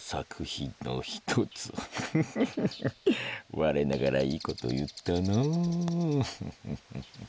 我ながらいいこと言ったなぁ。